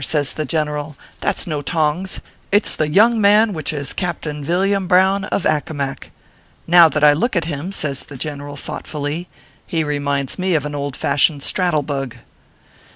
says the general, "that s no tongs. It s the young man which is Captain Villiam Brown, of Accomac. Now that I look at him," says the gen ORPHEUS C. KERR PAPERS. 199 eral, thoughtfully, "he reminds me of an old fashioned straddle bug."